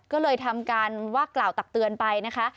ก็เลยทำการว่ากล่าวตักเตือนไปนะคะ